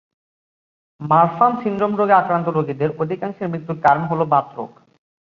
Marfan syndrome রোগে আক্রান্ত রোগীদের অধিকাংশের মৃত্যুর কারণ হল বাতরোগ।